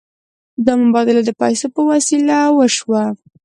دا مبادله د پیسو په وسیله وشوه.